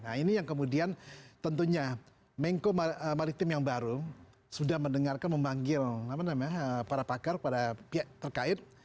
nah ini yang kemudian tentunya mengko maritim yang baru sudah mendengarkan memanggil para pakar pada pihak terkait